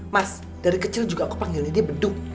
mas dari kecil juga aku panggilin dia beduk